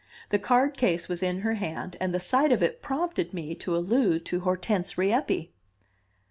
The card case was in her hand, and the sight of it prompted me to allude to Hortense Rieppe.